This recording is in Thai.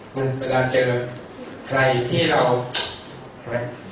เวลาเจอใครที่เรา